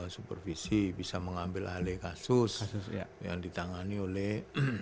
supervisi bisa mengambil hal hal kasus yang ditangani oleh